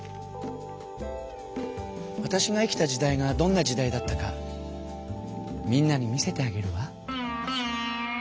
わたしが生きた時代がどんな時代だったかみんなに見せてあげるわ。